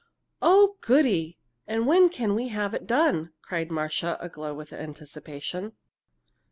"Oh, goody! And when can we have it done?" cried Marcia, aglow with anticipation.